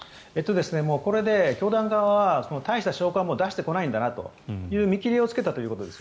これで教団側は大した証拠も出してこないんだなと見切りをつけたということです。